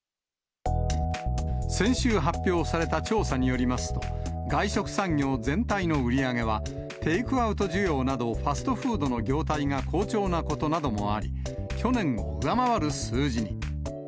先週発表された調査によりますと、外食産業全体の売り上げは、テイクアウト需要など、ファストフードの業態が好調なことなどもあり、去年を上回る数字に。